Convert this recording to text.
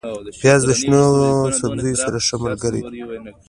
پیاز د شنو سبزیو سره ښه ملګری دی